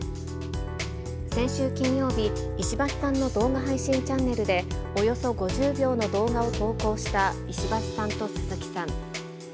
先週金曜日、石橋さんの動画配信チャンネルで、およそ５０秒の動画を投稿した石橋さんと鈴木さん。